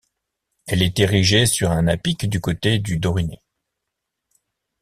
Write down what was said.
Elle est érigée sur un à-pic du côté du Dorinet.